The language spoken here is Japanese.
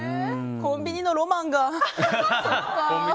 コンビニのロマンが。